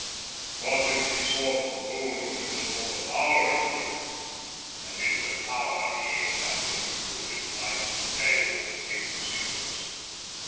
"But if he sought for gold it was for the power it gave him, and it was power he aimed at when he brooded night and day over dim secrets.